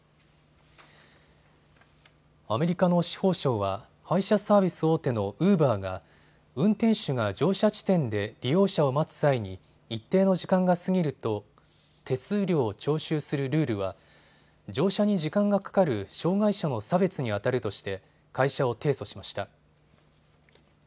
アメリカの司法省は配車サービス大手のウーバーが運転手が乗車地点で利用者を待つ際に一定の時間が過ぎると手数料を徴収するルールは乗車に時間がかかる障害者の差別にあたるとして会社を提訴しました。